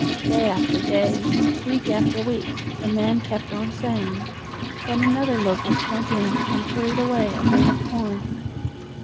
Day after day, week after week, the man kept on saying, "Then another locust went in and carried away a grain of corn."